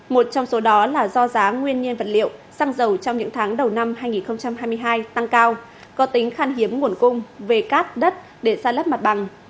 một trong số đó là do giá nguyên nhiên vật liệu xăng dầu trong những tháng đầu năm hai nghìn hai mươi hai tăng cao có tính khăn hiếm nguồn cung về cát đất để san lấp mặt bằng